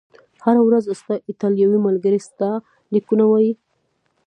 هره ورځ، ستا ایټالوي ملګري ستا لیکونه وایي؟